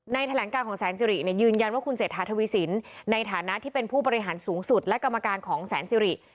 แถลงการของแสนสิริยืนยันว่าคุณเศรษฐาทวีสินในฐานะที่เป็นผู้บริหารสูงสุดและกรรมการของแสนสิริ